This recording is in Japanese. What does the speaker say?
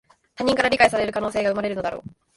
他人から理解される可能性が生まれるのだろう